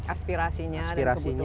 aspirasinya dan kebutuhannya